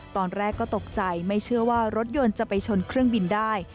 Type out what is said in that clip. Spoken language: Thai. ตอนแรกก็ตกใจไม่เชื่อว่ารถยนต์จะไปชนเครื่องบินได้